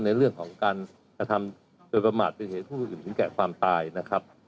ในเรื่องของการกระทำโดยประมาทเป็นเหตุผู้อื่นถึงแก่ความตายนะครับ